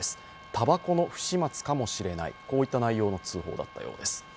たばこの不始末かもしれないといった内容の通報だったようです。